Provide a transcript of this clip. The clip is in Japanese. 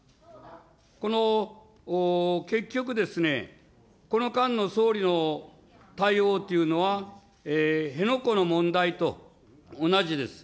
この、結局ですね、この間の総理の対応というのは、辺野古の問題と同じです。